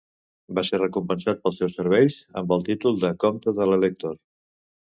Va ser recompensat pels seus serveis amb el títol de Comte de l'Elector.